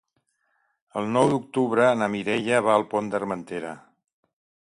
El nou d'octubre na Mireia va al Pont d'Armentera.